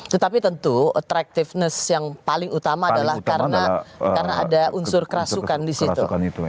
tetapi tentu attractiveness yang paling utama adalah karena ada unsur kerasukan di situ